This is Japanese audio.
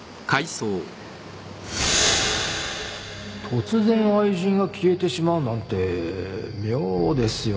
突然愛人が消えてしまうなんて妙ですよね